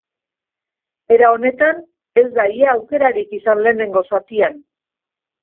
Era honetan, ez da ia aukerarik izan lehenengo zatian.